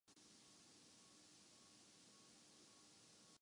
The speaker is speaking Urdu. خانہ کعبہ میں موجود بتوں کا بھی ذکر ہوا